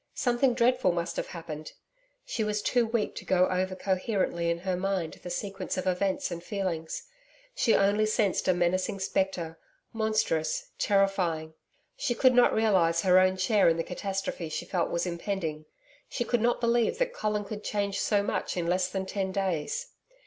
Something dreadful must have happened. She was too weak to go over coherently in her mind the sequence of events and feelings. She only sensed a menacing spectre, monstrous, terrifying. She could not realise her own share in the catastrophe she felt was impending. She could not believe that Colin could change so much in less than ten days.